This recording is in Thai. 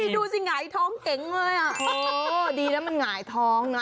ดูสิหงายท้องเก๋งเลยอ่ะดีแล้วมันหงายท้องนะ